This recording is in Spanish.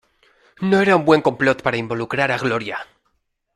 ¡No era un buen complot para involucrar a Gloria!